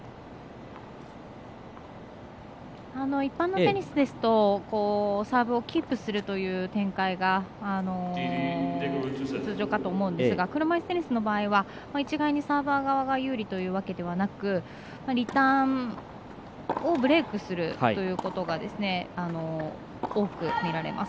一般のテニスですとサーブをキープするという展開が通常かと思うんですが車いすテニスの場合は一概にサーバー側が有利というわけではなくリターンをブレークするということが多く見られます。